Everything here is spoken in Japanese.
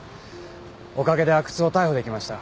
おかげで阿久津を逮捕できました。